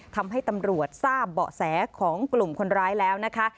ทำให้ตำรวจทราบเบาะแสของกลุ่มคนร้ายแล้วนะคะ